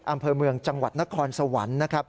อำเภอเมืองจังหวัดนครสวรรค์